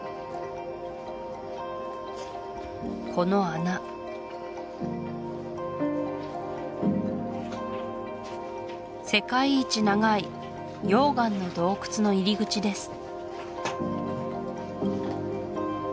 この穴世界一長い溶岩の洞窟の入り口です